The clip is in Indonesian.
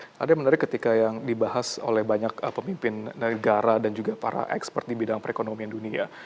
ada yang menarik ketika yang dibahas oleh banyak pemimpin negara dan juga para expert di bidang perekonomian dunia